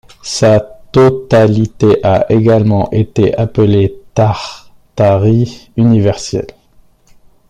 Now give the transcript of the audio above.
Sa totalité a également été appelée Tartarie universelle.